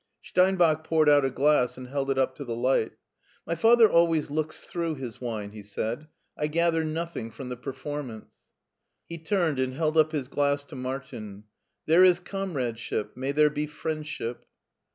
Steinbach poured out a glass and held it up to the light. " My father always looks through his wine," he said. " I gather nothing from the performance." He turned and held up his glass to Martin. "' There is comradeship ; may there be friendship